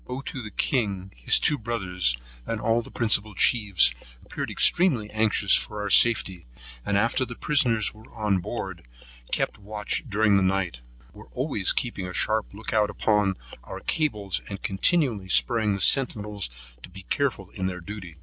Ottoo the king, his two brothers, and all the principal chiefs, appeared extremely anxious for our safety; and after the prisoners were on board, kept watch during the night; were always keeping a sharp look out upon our cables, and continually spurring the centinels to be careful in their duty.